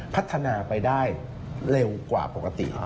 พัฒนาไปได้เร็วกว่าปกติ